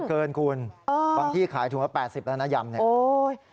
โทษเกินคุณบางที่ขายถุงละ๘๐บาทแล้วนะยำนี้